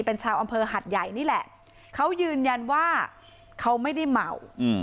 เป็นชาวอำเภอหัดใหญ่นี่แหละเขายืนยันว่าเขาไม่ได้เมา